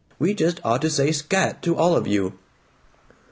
We just ought to say 'Scat!' to all of you!"